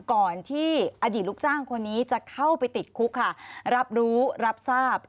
ก่อนที่อดีตลูกจ้างคนนี้จะเข้าไปติดคุกค่ะรับรู้รับทราบ